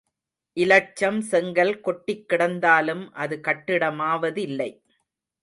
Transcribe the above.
இலட்சம் செங்கல் கொட்டிக்கிடந்தாலும் அது கட்டிடமாவதில்லை.